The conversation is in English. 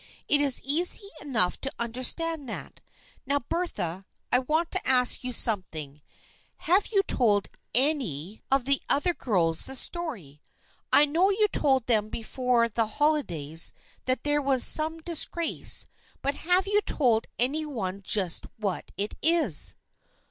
It is easy enough to understand that. Now Bertha, I want to ask you something. Have you told any 244 THE FRIENDSHIP OF ANNE of the other girls this story? I know you told them before the holidays that there was some dis grace, but have you told any one just what it is?